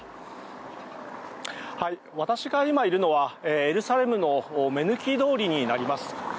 私が今、いるのはエルサレムの目抜き通りです。